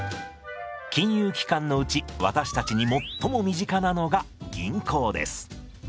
金融機関のうち私たちに最も身近なのが銀行です。